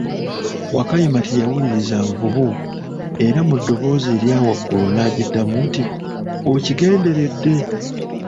Wakayima teyawuliriza nvubu, era mu ddoboozi erya waggulu naagiddamu nti, okigenderedde!